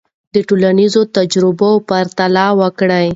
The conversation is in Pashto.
د ټولنیزو تجربو پرتله وکړه.